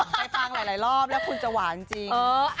ไปฟังหลายรอบแล้วคุณจะหวานจริง